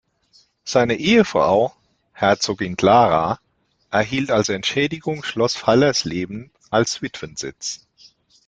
Seine Ehefrau "Herzogin Clara" erhielt als Entschädigung Schloss Fallersleben als Witwensitz.